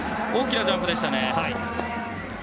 大きなジャンプでしたね。